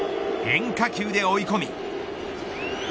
変化球で追い込み。